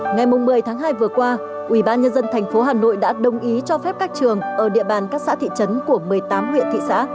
ngày một mươi tháng hai vừa qua ubnd tp hà nội đã đồng ý cho phép các trường ở địa bàn các xã thị trấn của một mươi tám huyện thị xã